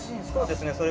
そうですね。